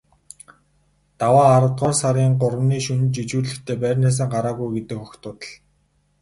Даваа аравдугаар сарын гуравны шөнө жижүүрлэхдээ байрнаасаа гараагүй гэдэг огт худал.